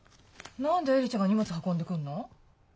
何で恵里ちゃんが荷物を運んでくるの？